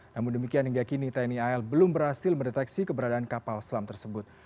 namun demikian hingga kini tni al belum berhasil mendeteksi keberadaan kapal selam tersebut